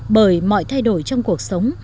bởi mọi thay đổi trong cuộc sống